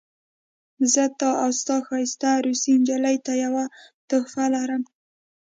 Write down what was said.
زه تا او ستا ښایسته روسۍ نجلۍ ته یوه تحفه لرم